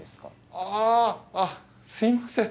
ああっすみません。